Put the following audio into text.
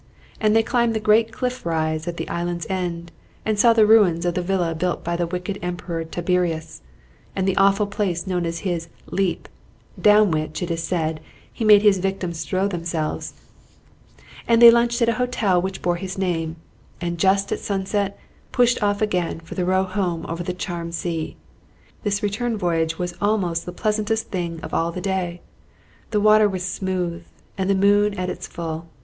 And they climbed the great cliff rise at the island's end, and saw the ruins of the villa built by the wicked emperor Tiberius, and the awful place known as his "Leap," down which, it is said, he made his victims throw themselves; and they lunched at a hotel which bore his name, and just at sunset pushed off again for the row home over the charmed sea. This return voyage was almost the pleasantest thing of all the day. The water was smooth, the moon at its full.